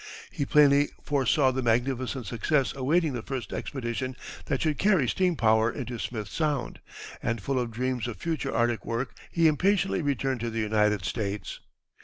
He plainly foresaw the magnificent success awaiting the first expedition that should carry steam power into Smith Sound, and full of dreams of future Arctic work he impatiently returned to the United States.